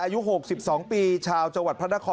อายุ๖๒ปีชาวจังหวัดพระนคร